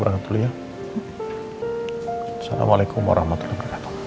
assalamualaikum warahmatullahi wabarakatuh